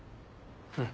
うん。